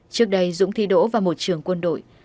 trước đây dũng thi đỗ vào một trường quân đội